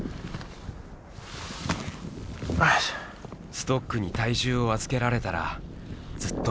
ストックに体重を預けられたらずっと楽なのに。